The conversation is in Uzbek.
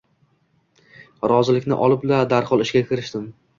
Rozilikni olib-la, darhol ishga kirishdim